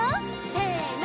せの！